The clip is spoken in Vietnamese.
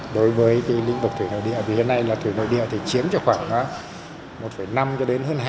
đối với cái lĩnh vực thủy nội địa thì hiện nay là thủy nội địa thì chiếm cho khoảng